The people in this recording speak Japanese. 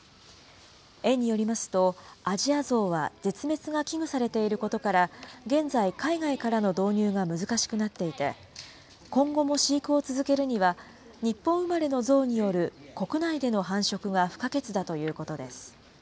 園によりますと、アジアゾウは絶滅が危惧されていることから、現在、海外からの導入が難しくなっていて、今後も飼育を続けるには、日本生まれのゾウによる国内での繁殖が不可欠だということです。